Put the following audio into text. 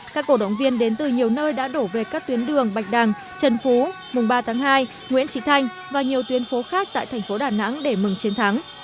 các cổ động viên đến từ nhiều nơi đã đổ về các tuyến đường bạch đằng trần phú mùng ba tháng hai nguyễn trị thanh và nhiều tuyến phố khác tại thành phố đà nẵng để mừng chiến thắng